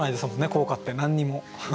校歌って何にも。